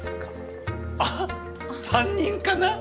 あっ３人かな？